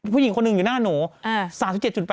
ผู้หญิงคนหนึ่งอยู่หน้าหนู๓๗๘